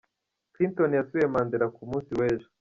Clinton yasuye Mandela ku munsi w'ejo .